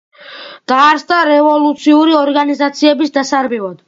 დაარსდა რევოლუციური ორგანიზაციების დასარბევად.